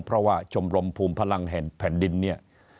เพราะว่าชมรมภูมิพลังแห่งแผ่นดินเนี่ย